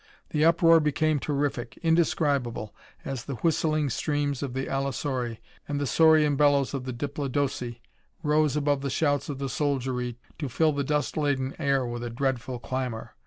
The uproar became terrific, indescribable, as the whistling screams of the allosauri and the saurean bellows of the diplodoci rose above the shouts of the soldiery to fill the dust laden air with a dreadful clamor.